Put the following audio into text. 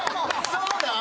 そうなん？